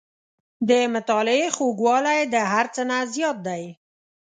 • د مطالعې خوږوالی د هر څه نه زیات دی.